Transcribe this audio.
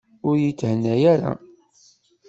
Ur yethenna ara.